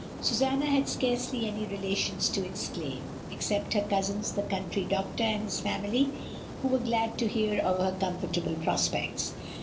Susanna had scarcely any relations to exclaim, except her cousins the country doctor and his family, who were glad to hear of her comfortable prospects.